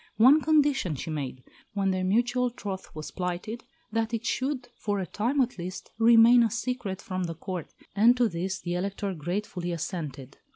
One condition she made, when their mutual troth was plighted, that it should, for a time at least, remain a secret from the Court, and to this the Elector gratefully assented.